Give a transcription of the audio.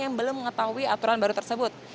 yang belum mengetahui aturan baru tersebut